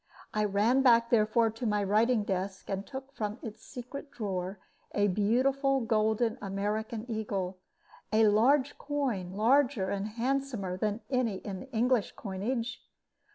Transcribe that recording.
I ran back therefore to my writing desk, and took from its secret drawer a beautiful golden American eagle, a large coin, larger and handsomer than any in the English coinage.